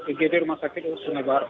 bgd rumah sakit di sungai bahar